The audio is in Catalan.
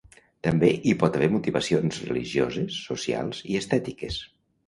També hi pot haver motivacions, religioses, socials i estètiques.